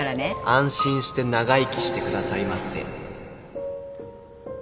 安心して長生きしてくださいませ